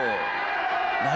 何？